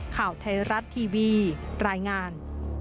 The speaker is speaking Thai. ข่าวไทยรัฐทีวีรายงาน